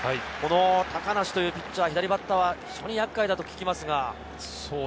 高梨というピッチャーは左バッターには非常に厄介だと聞きますが。